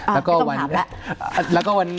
ไม่ต้องถามแล้ว